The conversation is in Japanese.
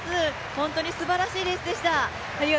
本当にすばらしいレースでした。